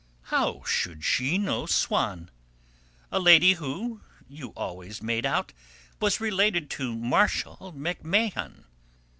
"How should she know Swann? A lady who, you always made out, was related to Marshal MacMahon!"